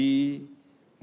mari kita berkata